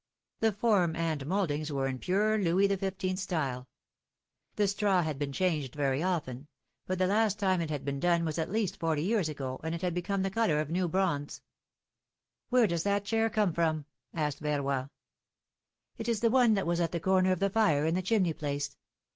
The form and mouldings were in pure Louis XV. style. The straw had been changed very often ; but the last time it had been done was at least forty years ago, and it had become the color of new bronze. ^AVhere does that chair come from?^^ asked Verroy. It is the one that w^as at the comer of the fire in the chimney place.